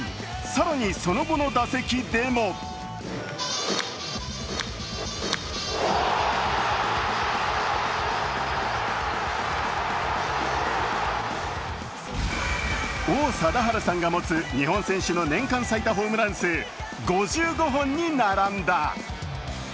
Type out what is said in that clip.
更にその後の打席でも王貞治さんが持つ日本選手の年間最多ホームラン数、５５本に並んだ。